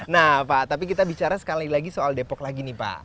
nah pak tapi kita bicara sekali lagi soal depok lagi nih pak